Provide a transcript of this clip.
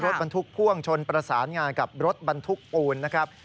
รถบรรทุกพ่วงชนประสานงานกับรถบรรทุกปูนนะครับ